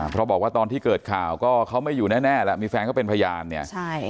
เพราะบอกว่าตอนที่เกิดข่าวก็เขาไม่อยู่แน่แหละมีแฟนเขาเป็นพยานเนี่ยใช่